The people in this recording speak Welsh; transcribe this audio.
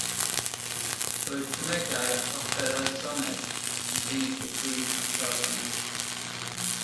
Roedd cemegau ac offer electroneg ym mhlith ei brif allforion.